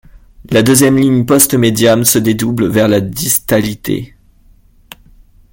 La deuxième ligne postmédiane se dédouble vers la distalité.